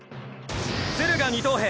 鶴河二等兵！